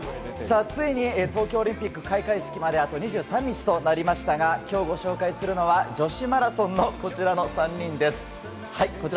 ついに東京オリンピック開会式まであと２３日となりましたが、今日ご紹介するのは女子マラソンのこちらの３人です。